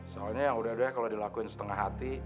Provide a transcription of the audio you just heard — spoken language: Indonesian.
soalnya yang udah udah kalo dilakuin setengah hati